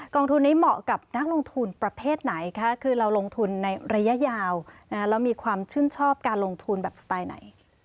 องทุนนี้เหมาะกับนักลงทุนประเภทไหนคะคือเราลงทุนในระยะยาวแล้วมีความชื่นชอบการลงทุนแบบสไตล์ไหน